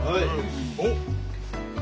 おっ。